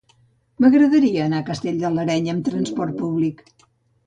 M'agradaria anar a Castell de l'Areny amb trasport públic.